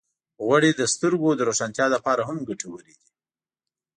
غوړې د سترګو د روښانتیا لپاره هم ګټورې دي.